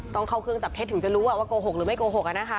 ต้องเข้าเครื่องจับเท็จถึงจะรู้ว่าโกหกหรือไม่โกหก